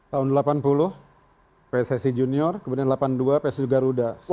tahun delapan puluh pssi junior kemudian delapan puluh dua pssi garuda